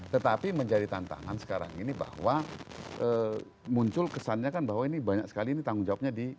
tetapi menjadi tantangan sekarang ini bahwa muncul kesannya kan bahwa ini banyak sekali ini tanggung jawabnya di